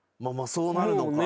そうなるのか。